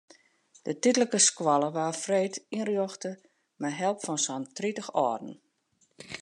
De tydlike skoalle waard freed ynrjochte mei help fan sa'n tritich âlden.